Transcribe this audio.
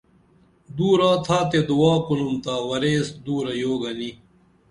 دوُرا تھاتے دعا کُنُمتا ورے ایس دُورہ یوگنی